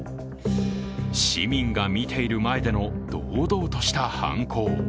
市民が見ている前での堂々とした犯行。